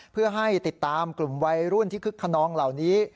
เพื่อให้ติดตามกลุ่มวัยรุ่นที่คึกขนองเหล่านี้